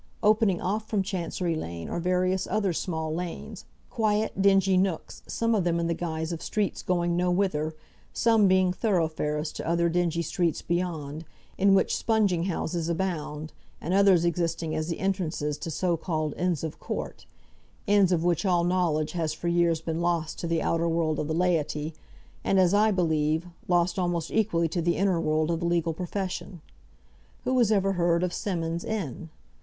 Opening off from Chancery Lane are various other small lanes, quiet, dingy nooks, some of them in the guise of streets going no whither, some being thoroughfares to other dingy streets beyond, in which sponging houses abound, and others existing as the entrances to so called Inns of Court, inns of which all knowledge has for years been lost to the outer world of the laity, and, as I believe, lost almost equally to the inner world of the legal profession. Who has ever heard of Symonds' Inn?